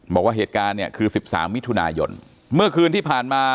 บอกว่าเหตุการณ์เนี่ยคือ๑๓มิถุนายนเมื่อคืนที่ผ่านมา